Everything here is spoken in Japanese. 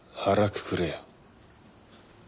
腹くくれや。